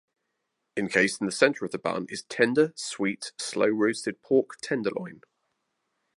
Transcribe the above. Encased in the center of the bun is tender, sweet, slow-roasted pork tenderloin.